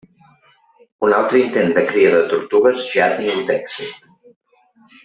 Un altre intent de cria de tortugues ja ha tingut èxit.